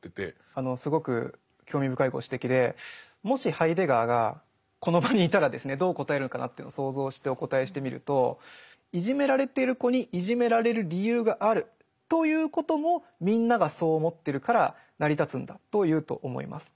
すごく興味深いご指摘でもしハイデガーがこの場にいたらですねどう答えるのかなというのを想像してお答えしてみると「いじめられている子にいじめられる理由があるということもみんながそう思ってるから成り立つんだ」と言うと思います。